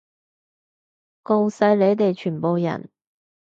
吿晒你哋全部人！